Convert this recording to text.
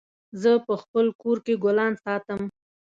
زه په خپل کور کي ګلان ساتم